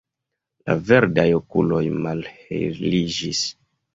La verdaj okuloj malheliĝis.